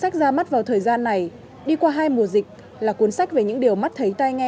ta mắt vào thời gian này đi qua hai mùa dịch là cuốn sách về những điều mắt thấy tay nghe